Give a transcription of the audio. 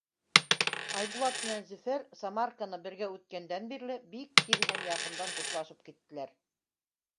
Айбулат менән Зөфәр Самарканы бергә үткәндән бирле бик тиҙ һәм яҡындан дуҫлашып киттеләр.